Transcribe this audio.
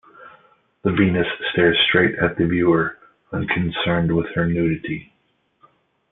The Venus stares straight at the viewer, unconcerned with her nudity.